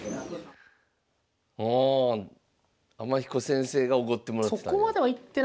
ああ天彦先生がおごってもらってたんや。